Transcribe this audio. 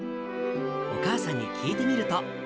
お母さんに聞いてみると。